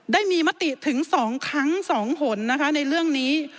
ได้มีมติถึง๒ครั้ง๒หนนะคะในเรื่องนี้